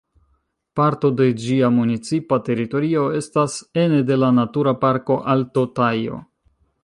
Parto de ĝia municipa teritorio estas ene de la Natura Parko Alto Tajo.